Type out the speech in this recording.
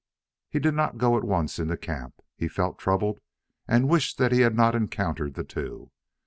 He did not go at once into camp. He felt troubled, and wished that he had not encountered the two.